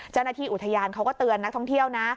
เจ้าหน้าที่อุทยานเขาก็เตือนนักท่องเที่ยวนะ